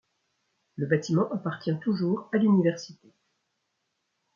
Le bâtiment appartient toujours à l'université.